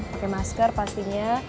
pake masker pastinya